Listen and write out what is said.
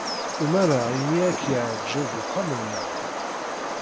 Umareɣ imi ay k-yeɛjeb uxxam-nneɣ.